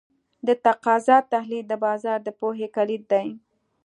د تقاضا تحلیل د بازار د پوهې کلید دی.